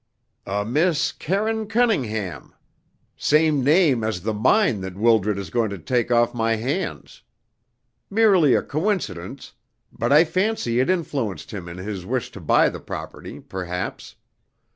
"A Miss Karine Cunningham. Same name as the mine that Wildred is going to take off my hands. Merely a coincidence, but I fancy it influenced him in his wish to buy the property, perhaps.